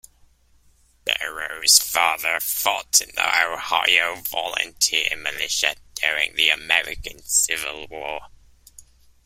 Barrow's father fought in the Ohio Volunteer Militia during the American Civil War.